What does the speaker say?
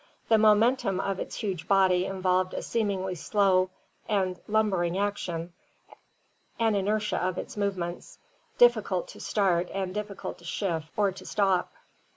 The momentum of its huge body involved a seemingly slow and lumbering action, an inertia of its movements, difficult to start and diffi cult to shift or to stop.